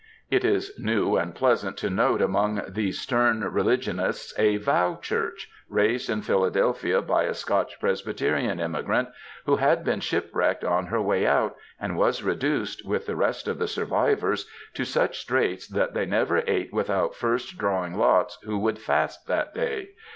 It is new and pleasant to note among these stem re ligionists a ^^Vow Church^ raised in Philadelphia by a Scotch Presbyterian immigrant, who had been shipwrecked on her way out, and was reduced with the rest of the survivors to such straits that they never ate without first drawing lots who should fast that day.